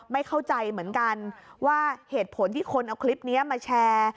ไม่เข้าใจเหมือนกันว่าเหตุผลที่คนเอาคลิปนี้มาแชร์